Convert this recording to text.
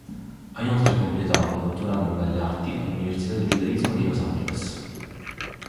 Ha inoltre completato un dottorato in Belle Arti all'Università del Giudaismo di Los Angeles.